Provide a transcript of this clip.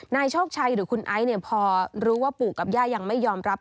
นายโชคชัยหรือคุณไอซ์เนี่ยพอรู้ว่าปู่กับย่ายังไม่ยอมรับ